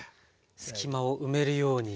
隙間を埋めるようにしていく。